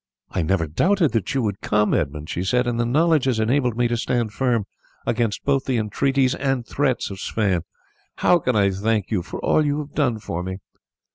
"I never doubted that you would come, Edmund," she said, "and the knowledge has enabled me to stand firm against both the entreaties and threats of Sweyn. How can I thank you for all you have done for me?"